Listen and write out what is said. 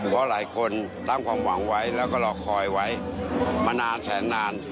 เพราะหลายคนตั้งความหวังไว้แล้วก็รอคอยไว้มานานแสนนาน